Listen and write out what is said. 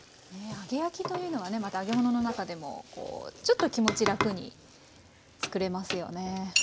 揚げ焼きというのはねまた揚げ物の中でもちょっと気持ち楽に作れますよね。